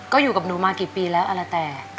ก็อยู่กับหนูมากี่ปีแล้วอะไรแต่